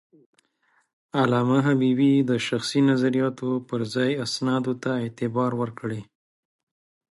علامه حبيبي د شخصي نظریاتو پر ځای اسنادو ته اعتبار ورکړی.